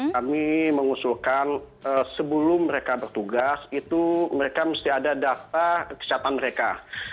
kami mengusulkan sebelum mereka bertugas itu mereka mesti ada data kesiapan mereka